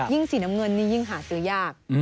สีน้ำเงินนี่ยิ่งหาซื้อยาก